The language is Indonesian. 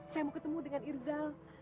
saya mau ketemu dengan irzal